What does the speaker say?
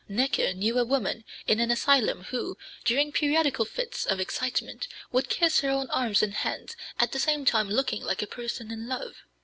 Näcke knew a woman in an asylum who, during periodical fits of excitement, would kiss her own arms and hands, at the same time looking like a person in love.